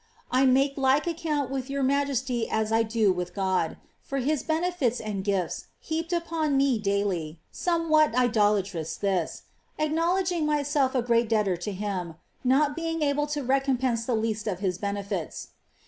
*^ 1 make like account witli your majesty as I do with God, for his benefits and ifts heaped upon me daily (^$omewhat idolatrous this), acknowledging myself a Tcat debtor to him, not being able to recoinjionse the least of his benefits.